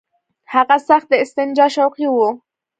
هغه سخت د استنجا شوقي وو.